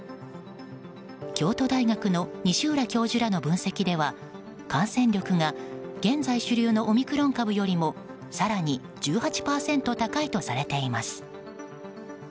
京都大学の西浦教授らの分析では感染力が現在主流のオミクロン株よりも更に１８％高いとされています。